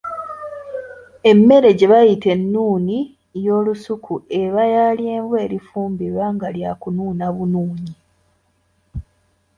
Emmere gye bayita ennuuni y'olusuku eba ya lyenvu erifumbiddwa nga lyakunuuna bunuunyi.